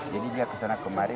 jadi dia kesana kemarin